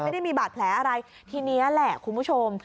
ไม่ได้มีบาดแผลอะไรทีนี้แหละคุณผู้ชม